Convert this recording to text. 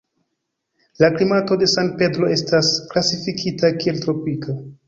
La klimato de San Pedro estas klasifikita kiel tropika.